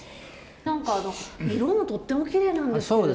なんか色がとってもきれいなんですけれども。